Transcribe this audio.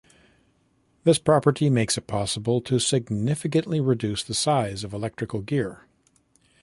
This property makes it possible to significantly reduce the size of electrical gear.